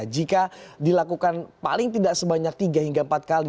jika dilakukan paling tidak sebanyak tiga hingga empat kali